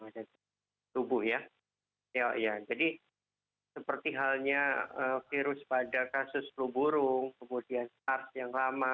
jadi seperti halnya virus pada kasus peluburung kemudian sars yang lama